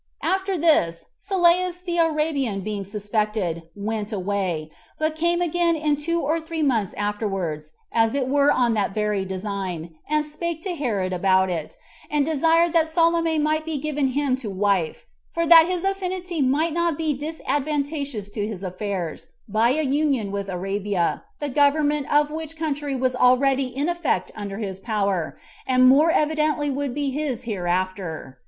After this, Sylleus the Arabian being suspected, went away, but came again in two or three months afterwards, as it were on that very design, and spake to Herod about it, and desired that Salome might be given him to wife; for that his affinity might not be disadvantageous to his affairs, by a union with Arabia, the government of which country was already in effect under his power, and more evidently would be his hereafter.